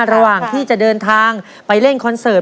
ระหว่างที่จะเดินทางไปเล่นคอนเสิร์ต